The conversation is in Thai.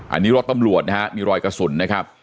อันนี้รถตำรวจนะฮะมีรอยกระสุนนะครับ